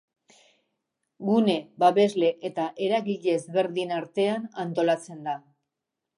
Gune, babesle eta eragile ezberdinen artean antolatzen da.